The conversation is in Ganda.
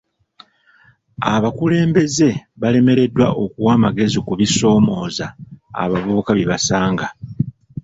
Abakulembeze balemereddwa okuwa amagezi ku bisoomooza abavubi bye basanga.